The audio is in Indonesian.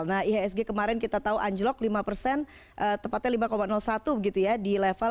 nah ihsg kemarin kita tahu anjlok lima persen tepatnya lima satu gitu ya di level empat delapan ratus sembilan puluh satu empat puluh enam